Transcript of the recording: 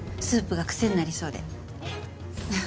スープがクセになりそうで。